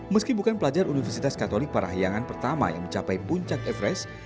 meski bukan pelajar universitas katolik parahyangan pertama yang mencapai puncak everest